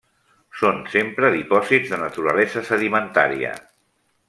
Són sempre dipòsits de naturalesa sedimentària.